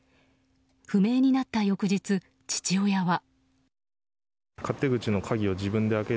不明になった翌日、父親は。